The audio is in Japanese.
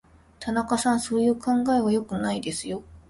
田中さん、そういう考え方は良くないですよ。